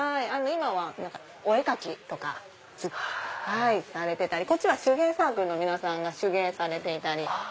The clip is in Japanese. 今はお絵描きとかされてたりこっちは手芸サークルの皆さんが手芸されていたり。